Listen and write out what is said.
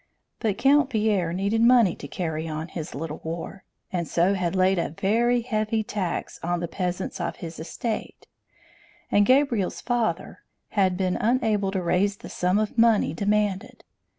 But Count Pierre needed money to carry on his little war, and so had laid a very heavy tax on the peasants of his estate; and Gabriel's father had been unable to raise the sum of money demanded.